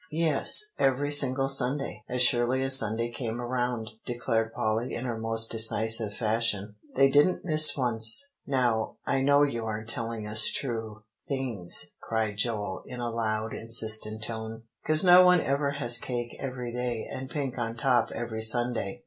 "Yes, every single Sunday; as surely as Sunday came around," declared Polly in her most decisive fashion. "They didn't miss once." "Now, I know you aren't telling us true things," cried Joel in a loud, insistent tone; "'cause no one ever has cake every day, and pink on top every Sunday.